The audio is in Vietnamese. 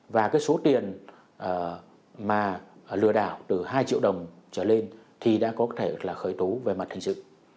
và cái số tiền mà lừa đảo từ hai triệu đồng trở lên thì đã có thể là khởi tố về mặt hình sự